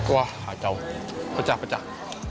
wah acau pecah pecah